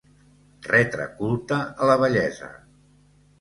Retre culte a la bellesa.